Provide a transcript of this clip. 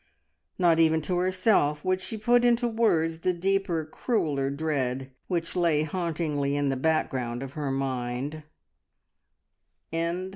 Not even to herself would she put into words the deeper, crueller dread which lay hauntingly in the background of her mind!